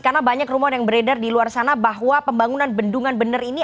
karena banyak rumor yang beredar di luar sana bahwa pembangunan bendungan bener ini